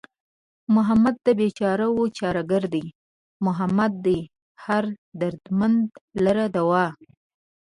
محمد د بېچارهوو چاره گر دئ محمد دئ هر دردمند لره دوا